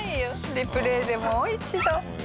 リプレーでもう一度。